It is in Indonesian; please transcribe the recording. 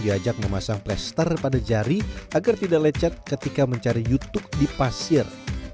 diajak memasang plaster pada jari agar tidak lecet ketika mencari youtube di pasir